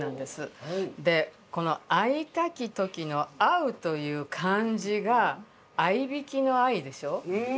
でこの「逢いたきとき」の「逢う」という漢字があいびきの「逢い」でしょう？